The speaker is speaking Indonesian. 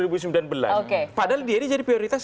padahal dia jadi prioritas